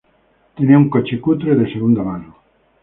Tenía un coche cutre de segunda mano